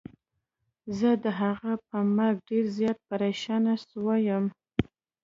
زه د هغه په مرګ ډير زيات پريشانه سوی يم.